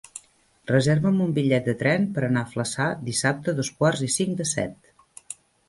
Reserva'm un bitllet de tren per anar a Flaçà dissabte a dos quarts i cinc de set.